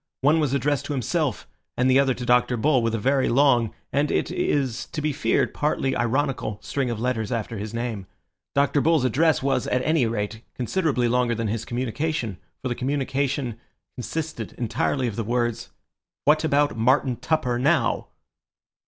One was addressed to himself, and the other to Dr. Bull, with a very long, and it is to be feared partly ironical, string of letters after his name. Dr. Bull's address was, at any rate, considerably longer than his communication, for the communication consisted entirely of the words:— "What about Martin Tupper _now?